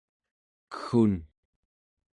keggun